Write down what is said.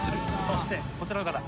そしてこちらの方。